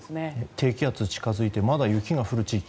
低気圧が近づいてまだ雪が降る地域